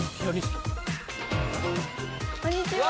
こんにちは！